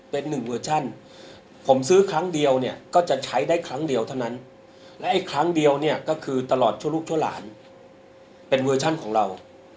เป็นหนึ่งเวอร์ชั่นผมซื้อครั้งเดียวเนี่ยก็จะใช้ได้ครั้งเดียวเท่านั้นและอีกครั้งเดียวเนี่ยก็คือตลอดชั่วลูกชั่วหลานเป็นเวอร์ชั่นของเรา